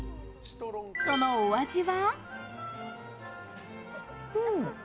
そのお味は？